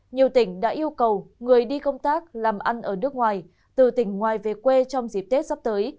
nhiều tỉnh đã yêu cầu người đi công tác làm ăn ở nước ngoài từ tỉnh ngoài về quê trong dịp tết sắp tới